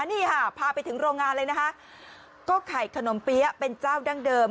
นี่ค่ะพาไปถึงโรงงานเลยนะคะก็ไข่ขนมเปี๊ยะเป็นเจ้าดั้งเดิม